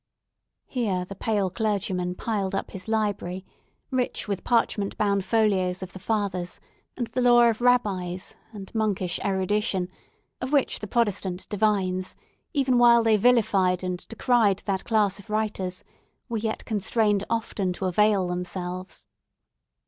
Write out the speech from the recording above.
Here the pale clergyman piled up his library, rich with parchment bound folios of the Fathers, and the lore of Rabbis, and monkish erudition, of which the Protestant divines, even while they vilified and decried that class of writers, were yet constrained often to avail themselves.